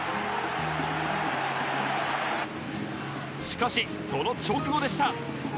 しかしその直後でした